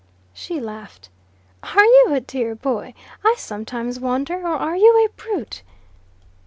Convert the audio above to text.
She a laughed. "Are you a dear boy? I sometimes wonder; or are you a brute?"